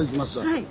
はい。